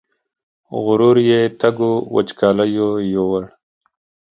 غرور یې تږو وچکالیو یووړ